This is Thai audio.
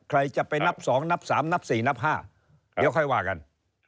ใครจะไปนับ๒นับ๓นับ๔นับ๕เดี๋ยวค่อยว่ากัน